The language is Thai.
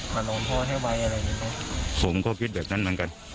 ผมก็คิดแบบนั้นเหมือนกัน